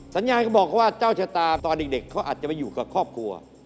สัญญาณก็บอกว่าเจ้าชะตาตอนเด็กเขาอาจจะไปอยู่กับครอบครัว